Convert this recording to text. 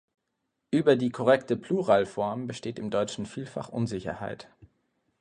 Über die korrekte Pluralform besteht im Deutschen vielfach Unsicherheit.